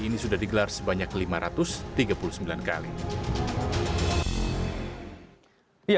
ini sudah digelar sebanyak lima ratus tiga puluh sembilan kali